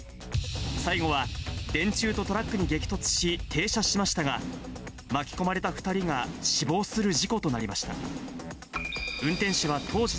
最後は電柱とトラックに激突し停車しましたが、巻き込まれた２人が死亡する事故となりました。